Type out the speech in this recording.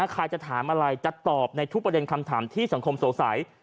ใครจะถามอะไรจะตอบในทุกประเด็นคำถามที่สังคมสงสัย